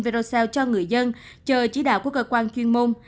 video cho người dân chờ chỉ đạo của cơ quan chuyên môn